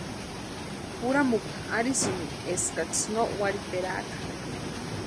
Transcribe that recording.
Juramukwa arhisïni eskaksï no warhiperaaka.